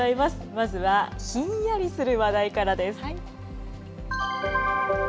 まずはひんやりする話題からです。